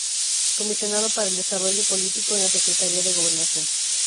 Comisionado para el Desarrollo Político en la Secretaría de Gobernación.